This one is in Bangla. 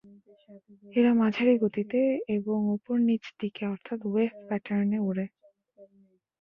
এরা মাঝারি গতিতে এবং ওপর-নীচ দিকে অর্থাৎ ওয়েভ প্যাটার্ন এ ওড়ে।